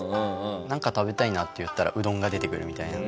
なんか食べたいなって言ったらうどんが出てくるみたいな。